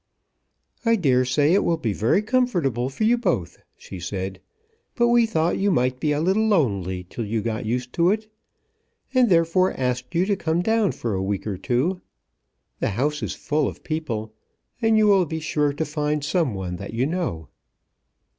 "I dare say it will be very comfortable for you both," she said; "but we thought you might be a little lonely till you got used to it, and therefore asked you to come down for a week or two. The house is full of people, and you will be sure to find some one that you know."